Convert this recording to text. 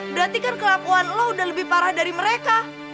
berarti kan kelapuan lo udah lebih parah dari mereka